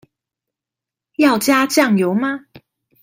要加醬油嗎？